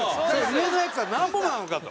上のやつはなんぼなのかと。